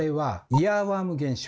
イヤーワーム現象。